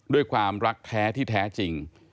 ด้วยความรักแท้ที่แท้จริง